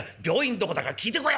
どこだか聞いてこや！』